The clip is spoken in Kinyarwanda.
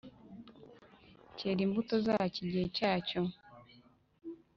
Cyera imbuto zacyo igihe cyacyo